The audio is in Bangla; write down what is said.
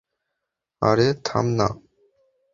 আরে থাম না।